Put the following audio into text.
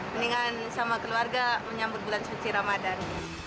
mendingan sama keluarga menyambut bulan suci ramadan